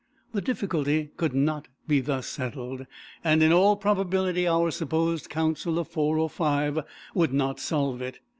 The difficulty could not be thus settled; and, in all probability, our supposed council of four or five would not solve it.